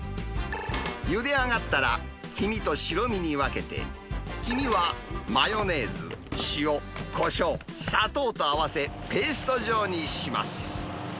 ゆで上がったら、黄身と白身に分けて、黄身はマヨネーズ、塩、こしょう、砂糖と合わせ、ペースト状にします。